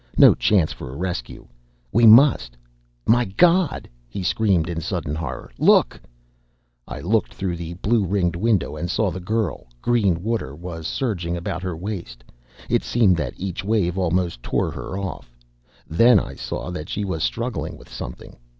No chance for a rescue. We must "My god!" he screamed in sudden horror. "Look!" I looked through the blue ringed window and saw the girl. Green water was surging about her waist. It seemed that each wave almost tore her off. Then I saw that she was struggling with something.